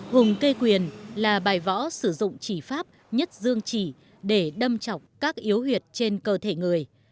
hùng kê quyền là bài võ sử dụng trí pháp nhất dương trí để đâm chọc các yếu huyệt trên cơ thể người